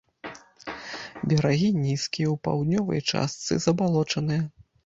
Берагі нізкія, у паўднёвай частцы забалочаныя.